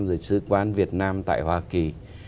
rồi sứ quán việt nam tại hoa kỳ